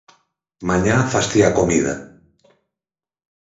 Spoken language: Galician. Mañá fas ti a comida